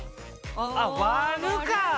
あっ「割る」か！